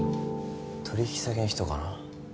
取引先の人かな